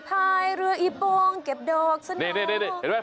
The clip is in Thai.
พายเรืออีโปงเก็บดอกสนิทนี่เห็นไหม